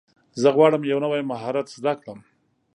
زه غواړم یو نوی مهارت زده کړم.